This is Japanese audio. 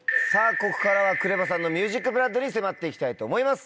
ここからはＫＲＥＶＡさんのＭＵＳＩＣＢＬＯＯＤに迫って行きたいと思います。